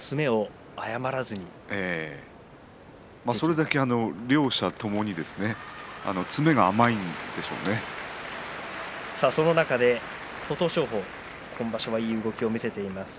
それだけ両者琴勝峰も今場所はいい動きを見せています。